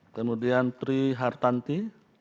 kemudian tri hartanti